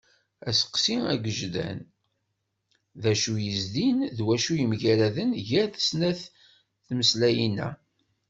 Aseqsi agejdan: D acu yezdin d wacu yemgaraden gar snat n tmeslayin-a.